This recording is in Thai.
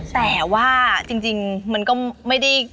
แต่ว่าจริงมันก็ไม่ได้